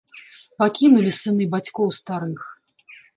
Пакінулі сыны бацькоў старых.